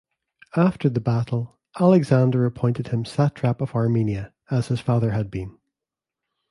After the battle, Alexander appointed him Satrap of Armenia, as his father had been.